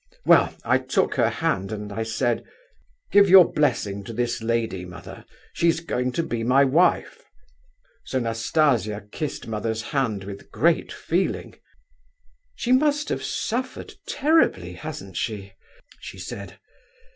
Well, I took her hand, and I said, 'Give your blessing to this lady, mother, she's going to be my wife.' So Nastasia kissed mother's hand with great feeling. 'She must have suffered terribly, hasn't she?' she said.